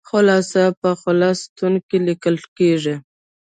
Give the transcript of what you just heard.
خلاصه په خلص ستون کې لیکل کیږي.